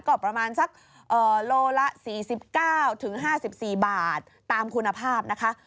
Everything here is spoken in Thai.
ก็ประมาณสักโลละ๔๙๕๔บาทตามคุณภาพนะคะ